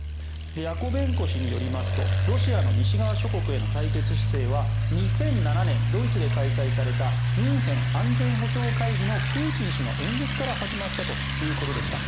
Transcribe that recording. ヤコベンコ氏によりますとロシアの西側諸国への対決姿勢は２００７年、ドイツで開催されたミュンヘン安全保障会議のプーチン氏の演説から始まったということでした。